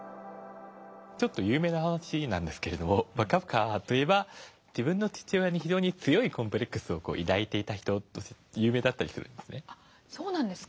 ちょっと有名な話なんですけれどカフカといえば自分の父親に非常に強いコンプレックスを抱いていた人として有名なんです。